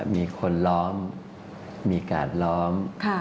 มีคนล้อมมีการ์ดล้อม